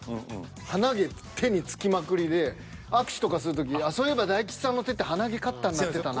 鼻毛手に付きまくりで握手とかする時「そういえば大吉さんの手って鼻毛カッターになってたな」